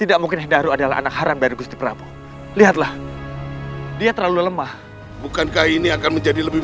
alif sampai juang akhirnya